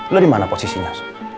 lo dimana posisinya